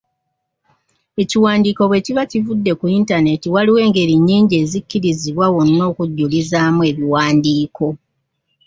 Ekiwandiiko bwe kiba kivudde ku Internet waliwo engeri nnyingi ezikkirizibwa wonna ez’okujulizaamu ebiwandiiko.